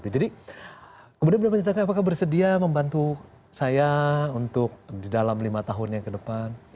jadi kemudian benar benar ditanya apakah bersedia membantu saya untuk di dalam lima tahun yang ke depan